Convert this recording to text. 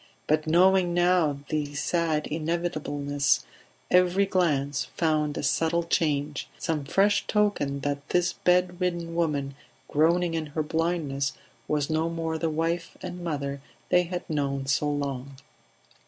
... But knowing now the sad inevitableness, every glance found a subtle change, some fresh token that this bed ridden woman groaning in her blindness was no more the wife and mother they had known so long.